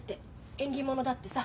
縁起物だってさ。